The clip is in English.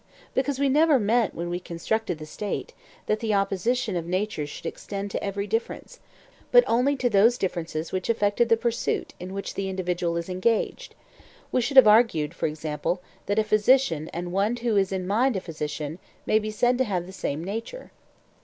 because we never meant when we constructed the State, that the opposition of natures should extend to every difference, but only to those differences which affected the pursuit in which the individual is engaged; we should have argued, for example, that a physician and one who is in mind a physician may be said to have the same nature.